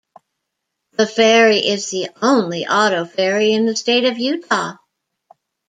The ferry is the only auto ferry in the state of Utah.